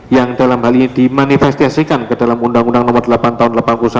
yang dalam hal ini dimanifestiasikan ke dalam uu no delapan tahun seribu sembilan ratus delapan puluh satu